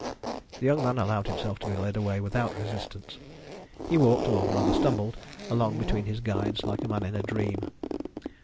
The young man allowed himself to be led away without resistance. He walked, or rather stumbled, along between his guides like a man in a dream.